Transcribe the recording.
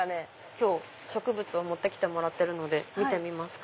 今日植物を持って来てもらってるので見てみますか？